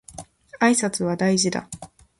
挨拶は大事だ